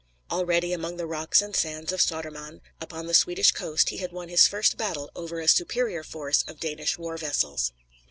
Already, among the rocks and sands of Sodermann, upon the Swedish coast, he had won his first battle over a superior force of Danish war vessels.